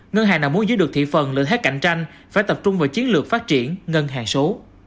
ngân hàng nào muốn giữ được thị phần lợi thế cạnh tranh phải tập trung vào chiến lược phát triển ngân hàng số